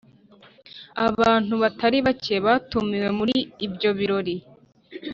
abantu batari bake batumiwe muri ibyo birori.